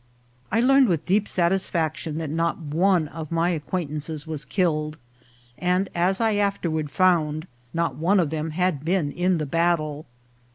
I learned with deep satis faction that not one of my acquaintances was killed, and, as I afterward found, not one of them had been in the battle.